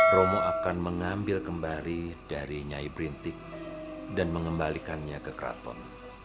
romo akan mengambil kembali dari nyai printik dan mengembalikannya ke keraton